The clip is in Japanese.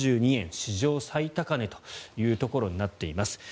史上最高値というところになっています。